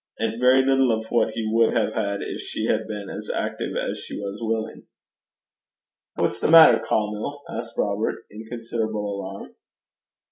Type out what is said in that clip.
And very little of that he would have had if she had been as active as she was willing. 'What's the maitter, Caumill?' asked Robert, in considerable alarm.